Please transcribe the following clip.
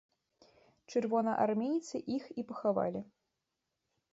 Чырвонаармейцы іх і пахавалі.